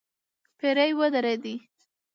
پيرې ودرېدې.